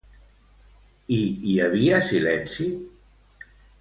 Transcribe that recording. I hi havia silenci?